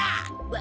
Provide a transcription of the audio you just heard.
わ